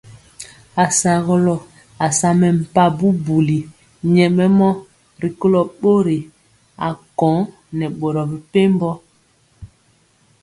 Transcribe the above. Asagɔlɔ asa mempa bubuli nyɛmemɔ rikolo bori akõ nɛ boro mepempɔ.